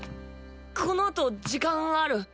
このあと時間ある？